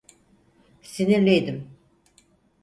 Sinirliydim.